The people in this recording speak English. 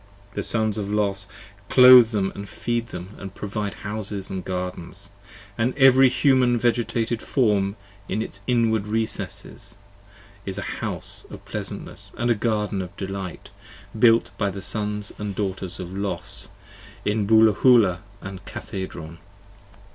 The Sons of Los clothe them & feed & provide houses & gardens: And every Human Vegetated Form in its inward recesses Is a house of ple[as]antness & a garden of delight, Built by the 50 Sons & Daughters of Los in Bowlahoola & in Cathedron.